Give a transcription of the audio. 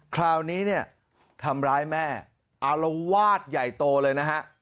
คราวนี้เนี่ยทำร้ายแม่อารวาสใหญ่โตเลยนะฮะ